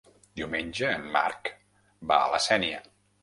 Diumenge en Marc va a la Sénia.